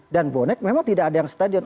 dan bonek memang tidak ada yang ke stadion